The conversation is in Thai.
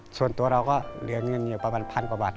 ส่วนตัวเราก็เหลืองิญเนวประมาณ๑๐๐๐บาท